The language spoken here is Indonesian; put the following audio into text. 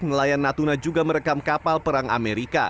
nelayan natuna juga merekam kapal perang amerika